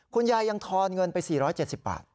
คุณยายยังทอนเงินไป๔๗๐บาท